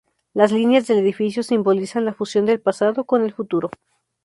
Las líneas del edificio simbolizan la fusión del pasado con el futuro.